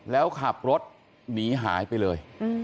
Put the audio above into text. แล้วขับรถหนีหายไปเลย